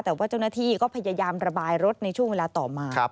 แต่ว่าเจ้าหน้าที่ก็พยายามระบายรถในช่วงเวลาต่อมา